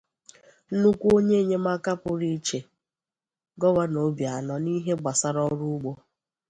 nnukwu onye enyemaka pụrụ iche Gọvanọ Obianọ n'ihe gbasaara ọrụ ugbo